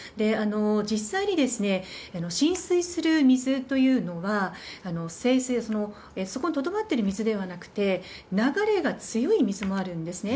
実際に浸水する水というのは、そこにとどまっている水ではなくて、流れが強い水もあるんですね。